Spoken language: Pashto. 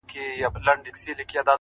شېرينې ستا د تورو سترگو په کمال کي سته!!